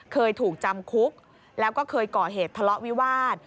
เคยถูกจำคุกแล้วก็เคยก่อเหตุทะเลาะวิวาส